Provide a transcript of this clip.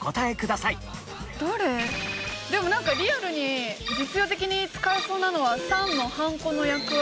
でもリアルに実用的に使えそうなのは３のハンコの役割。